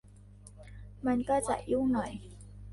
มันก็จะยุ่งหน่อย